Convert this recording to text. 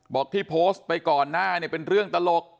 บอกที่โพสต์ไปก่อนหน้าเนี่ยเป็นเรื่องตลก